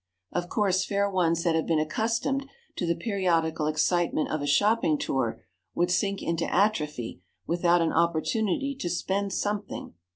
Of course, fair ones that have been accustomed to the periodical excitement of a shopping tour would sink into atrophy without an opportunity to spend something.